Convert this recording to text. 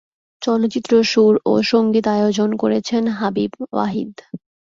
চলচ্চিত্র সুর ও সঙ্গীতায়োজন করেছেন হাবিব ওয়াহিদ।